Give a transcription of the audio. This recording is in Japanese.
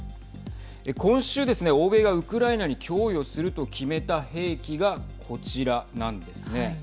今週ですね、欧米がウクライナに供与すると決めた兵器がこちらなんですね。